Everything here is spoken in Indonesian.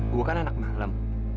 gue kan anak malam